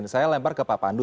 saya lempar ke pak pandu